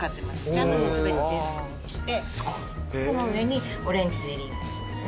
ジャムも全て手作りでしてその上にオレンジゼリーですね。